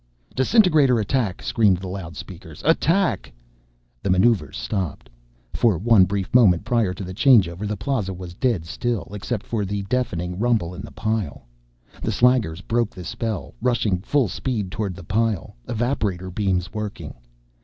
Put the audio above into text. "Disintegrator attack!" screamed the loudspeakers. "Attack!" The maneuvers stopped. For one brief moment prior to changeover the Plaza was dead still, except for the deafening rumble in the pile. The slaggers broke the spell, rushing full speed toward the pile, evaporator beams working.